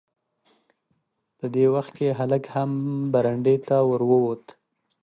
په دې وخت کې هلک هم برنډې ته ور ووت.